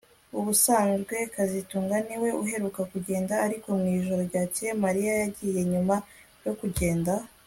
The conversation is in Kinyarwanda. Ubusanzwe kazitunga niwe uheruka kugenda ariko mwijoro ryakeye Mariya yagiye nyuma yo kugenda